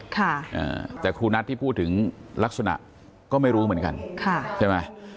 ค่ะอ่าแต่ครูนัทที่พูดถึงลักษณะก็ไม่รู้เหมือนกันค่ะใช่ไหม